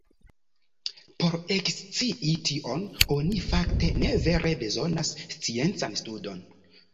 Por ekscii tion oni fakte ne vere bezonas sciencan studon.